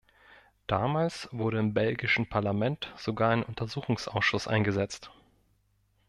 Damals wurde im belgischen Parlament sogar ein Untersuchungsausschuss eingesetzt.